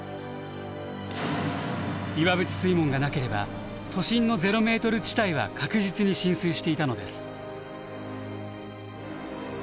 岩淵水門がなければ都心のゼロメートル地帯は確実に浸水していたのです。